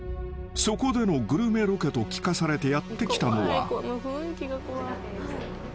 ［そこでのグルメロケと聞かされてやって来たのは］